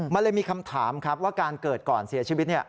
มันเลยมีคำถามครับว่าการเกิดก่อนเสียชีวิต